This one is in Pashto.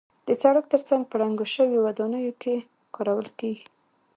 د سړک تر څنګ په ړنګو شویو ودانیو کې کارول کېږي.